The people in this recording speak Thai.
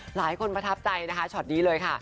หลายคนประทับใจนะคะช็อกนี้เลยค่ะ